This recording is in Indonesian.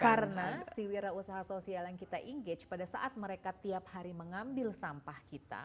karena si wira usaha sosial yang kita engage pada saat mereka tiap hari mengambil sampah kita